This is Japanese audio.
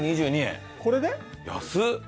安っ！